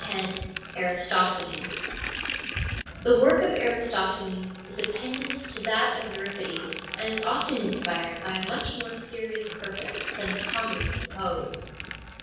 — Aristophanes The work of Aristophanes is a pendant to that of Euripides, and is often inspired by a much more serious purpose than is commonly supposed.